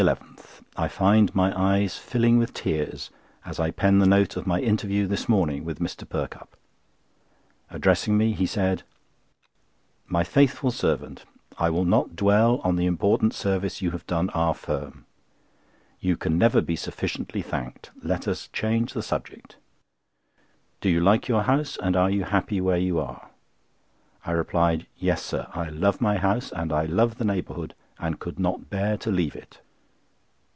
—I find my eyes filling with tears as I pen the note of my interview this morning with Mr. Perkupp. Addressing me, he said: "My faithful servant, I will not dwell on the important service you have done our firm. You can never be sufficiently thanked. Let us change the subject. Do you like your house, and are you happy where you are?" I replied: "Yes, sir; I love my house and I love the neighbourhood, and could not bear to leave it."